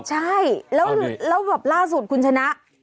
ใช่แล้วแบบล่าสุดคุณชนะ